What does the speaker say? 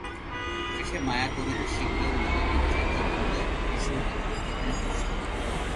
শেষে মায়া করতেও শিখলে মতির দিকে চাহিয়া বলিল, এসো এদিকে, এখানে বোসো।